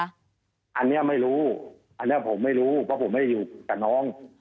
อันนี้ไม่รู้อันนี้ผมไม่รู้เพราะผมไม่ได้อยู่กับน้อง